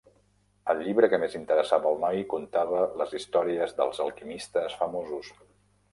El llibre que més interessava al noi contava les històries dels alquimistes famosos.